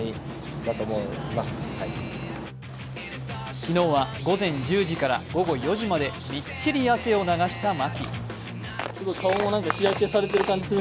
昨日は午前１０時から午後４時までみっちり汗を流した牧。